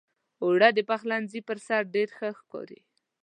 اوړه د پخلنځي پر سر ډېر ښه ښکاري